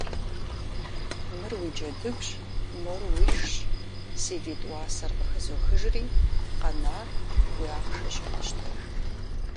Мыр уи джэдыгущ, мор уишщ, си витӀ уасэр къыхызохыжри, къанэр уи ахъшэщи къэщтэж.